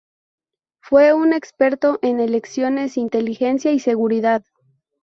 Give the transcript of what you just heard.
Fue un experto en elecciones, inteligencia y seguridad.